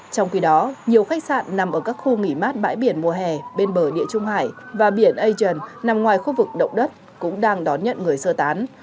trong khi đó nhiều khách sạn nằm ở các khu nghỉ mát bãi biển mùa hè bên bờ địa trung hải và biển asion nằm ngoài khu vực động đất cũng đang đón nhận người sơ tán